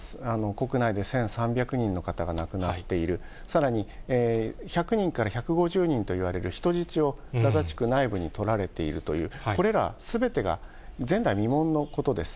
国内で１３００人の方が亡くなっている、さらに１００人から１５０人といわれる人質をガザ地区内部にとられているという、これらすべてが前代未聞のことです。